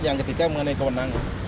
yang ketiga mengenai kewenangan